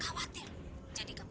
kau sih gini tes kega